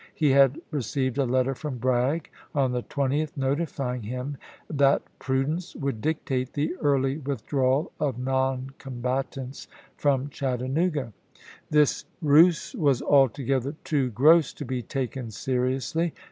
He had re Nov.,1863. ceived a letter from Bragg, on the 20th, notifying him that prudence would dictate the early with drawal of non combatants from Chattanooga. This ruse was altogether too gross to be taken seriously.